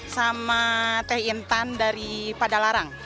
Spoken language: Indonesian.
sama teh intan dari padalarang